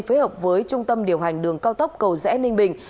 phối hợp với trung tâm điều hành đường cao tốc cầu rẽ ninh bình